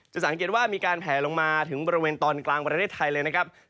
สังเกตว่ามีการแผลลงมาถึงบริเวณตอนกลางประเทศไทยเลยนะครับ